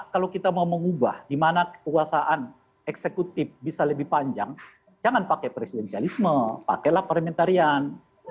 kalau kita mau mengubah di mana kekuasaan eksekutif bisa lebih panjang jangan pakai presidensialisme pakailah parliamentarian